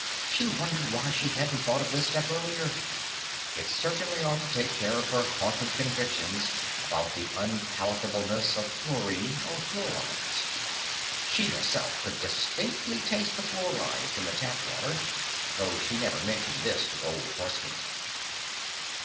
She wondered why she hadn't thought of this step earlier it certainly ought to take care of her haunting convictions about the unpalatableness of chlorine or fluorides. (She herself could distinctly taste the fluorides in the tap water, though she never mentioned this to Old Horsemeat.)